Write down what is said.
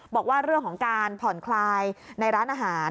บอกว่าเรื่องของการผ่อนคลายในร้านอาหาร